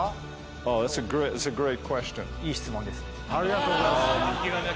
いい質問ですね。